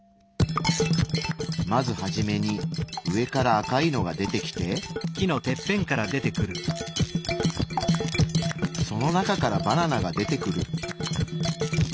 まずはじめに上から赤いのが出てきてその中からバナナが出てくる。